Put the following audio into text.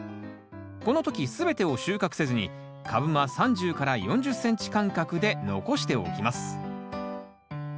この時全てを収穫せずに株間３０４０ｃｍ間隔で残しておきます。